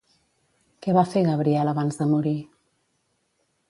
Què va fer Gabriel abans de morir?